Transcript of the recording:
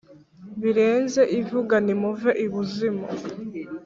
birenze ivuga nimuve ibuzimu